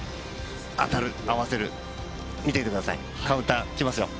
当たる、合わせる、見ていてください、カウンータ、打ちますよ。